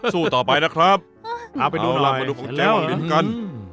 สู้ต่อไปนะครับเอาล่างมาดูของแจ้งหว่างลิ้นกัน